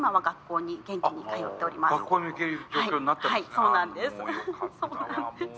そうなんです。